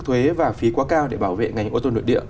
thuế và phí quá cao để bảo vệ ngành ô tô nội địa